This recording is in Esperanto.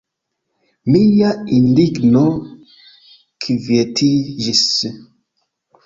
Mia indigno kvietiĝis.